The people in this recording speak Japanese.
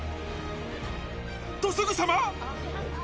と、すぐさま。